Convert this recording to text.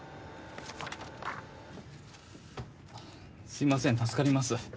すみません、助かります。